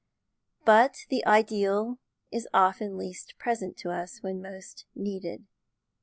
But the ideal is often least present to us when most needed.